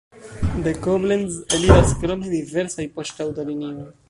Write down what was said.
De Koblenz eliras krome diversaj poŝtaŭtolinioj.